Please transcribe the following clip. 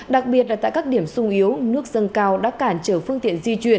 đặc biệt là tại các điểm sung yếu nước dâng cao đã cản trở phương tiện di chuyển